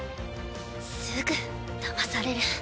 すぐだまされる